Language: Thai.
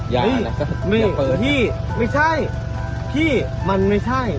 อยู่หรือที่ไม่ใช่ที่มันไม่ใช่